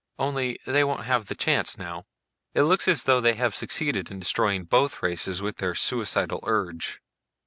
Only they won't have the chance now. It looks as though they have succeeded in destroying both races with their suicidal urge."